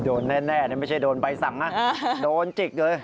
โดนแน่ไม่ใช่โดนใบสั่งนะโดนจิกเลย